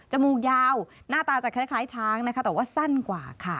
มูกยาวหน้าตาจะคล้ายช้างนะคะแต่ว่าสั้นกว่าค่ะ